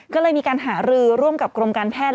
ก็เลยมีการหารือร่วมกับกรมการแพทย์